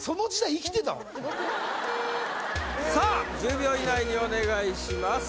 さあ１０秒以内にお願いします